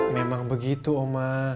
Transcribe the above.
memang begitu oma